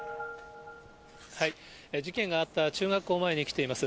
事件があった中学校前に来ています。